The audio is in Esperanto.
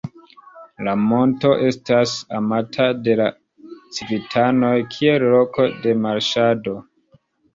La monto estas amata de la civitanoj kiel loko de marŝado.